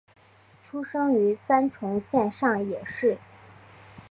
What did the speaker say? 出生于三重县上野市。